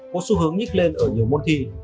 có xu hướng nhích lên ở nhiều môn thi